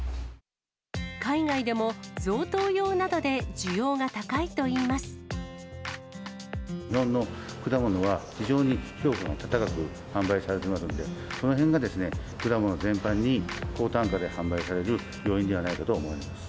海外でも贈答用などで需要が日本の果物は、非常に評価が高く販売されていますので、そのへんがですね、果物全般に高単価で販売される要因ではないかと思われます。